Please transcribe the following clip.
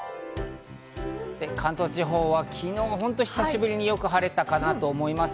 関東地方は昨日、本当に久しぶりによく晴れたかなと思います。